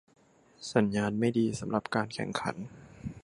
สัญญาณไม่ดีสำหรับการแข่งขัน